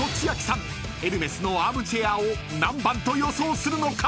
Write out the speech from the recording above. ［エルメスのアームチェアを何番と予想するのか？］